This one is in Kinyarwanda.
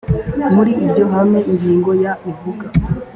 muri iryo hame ingingo ya ivuga